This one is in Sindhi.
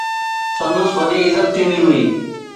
سندس وڏي عزت ٿيندي هئي.